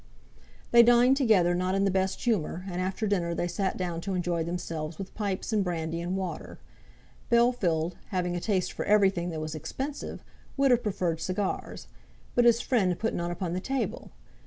They dined together not in the best humour, and after dinner they sat down to enjoy themselves with pipes and brandy and water. Bellfield, having a taste for everything that was expensive, would have preferred cigars; but his friend put none upon the table.